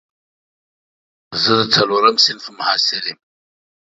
زه د څلورم صنف محصل یم